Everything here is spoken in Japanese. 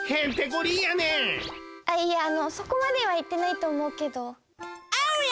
あいやあのそこまではいってないとおもうけど。